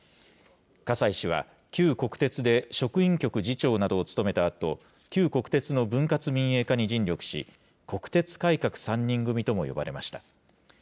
葛西氏は旧国鉄で職員局次長などを務めたあと、旧国鉄の分割民営化に尽力し、国鉄改革３人組とも呼ばれました。